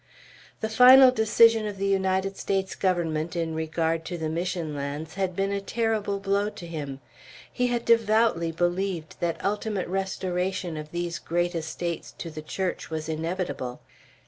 The final decision of the United States Government in regard to the Mission lands had been a terrible blow to him. He had devoutly believed that ultimate restoration of these great estates to the Church was inevitable.